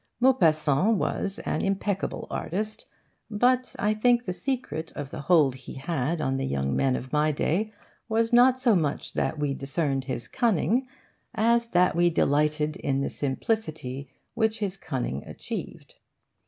Maupassant was an impeccable artist, but I think the secret of the hold he had on the young men of my day was not so much that we discerned his cunning as that we delighted in the simplicity which his cunning achieved.